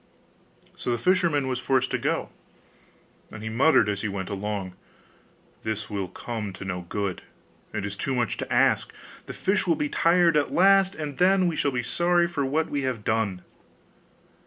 So the fisherman was forced to go; and he muttered as he went along, 'This will come to no good, it is too much to ask; the fish will be tired at last, and then we shall be sorry for what we have done.